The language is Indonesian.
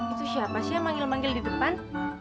itu siapa sih yang manggil manggil di depan